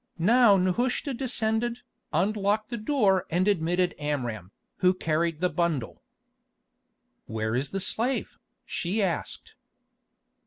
Now Nehushta descended, unlocked the door and admitted Amram, who carried the bundle. "Where is the slave?" she asked.